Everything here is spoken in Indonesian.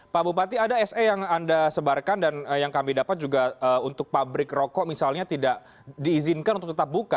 pak bupati ada se yang anda sebarkan dan yang kami dapat juga untuk pabrik rokok misalnya tidak diizinkan untuk tetap buka